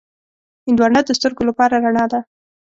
هندوانه د سترګو لپاره رڼا ده.